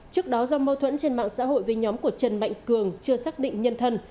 trước đó do mâu thuẫn trên mạng xã hội với nhóm của trần mạnh cường chưa xác định nhân thân